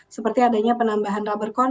seperti adanya penambahan rubber con